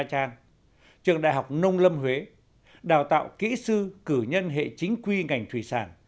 trường đại học nông lâm huế đào tạo kỹ sư cử nhân hệ chính quy ngành thủy sản